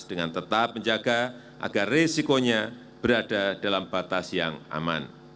dengan tetap menjaga agar risikonya berada dalam batas yang aman